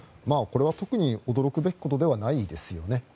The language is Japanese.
これは特に驚くべきことではないですね。